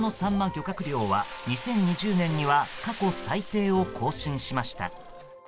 漁獲量は２０２０年には過去最低を更新しました。